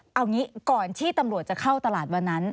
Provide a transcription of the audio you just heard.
เอางี้ก่อนที่ตำรวจจะเข้าตลาดวันนั้น